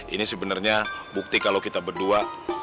ini sebenarnya bukti kalau kita berdua